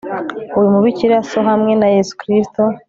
Uyu mubikira so hamwe na Yesu Kristo